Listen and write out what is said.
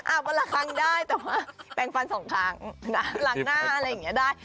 วันละครั้งได้แต่ว่าแปลงฟันสองครั้งล้างหน้าอะไรอย่างนี้ได้